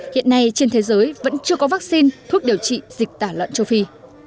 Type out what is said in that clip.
hiện nay trên thế giới vẫn chưa có vaccine thuốc điều trị dịch tả lợn châu phi